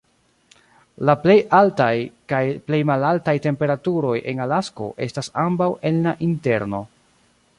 La plej altaj kaj plej malaltaj temperaturoj en Alasko estas ambaŭ en la Interno.